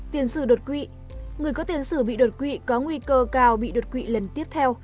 tiền sự đột quỵ người có tiền sử bị đột quỵ có nguy cơ cao bị đột quỵ lần tiếp theo